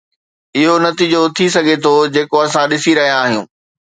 اهو نتيجو ٿي سگهي ٿو جيڪو اسان ڏسي رهيا آهيون.